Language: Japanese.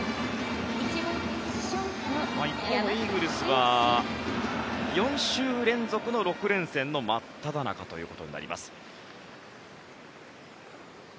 一方、イーグルスは４週連続の６連戦の真っただ中ということになります。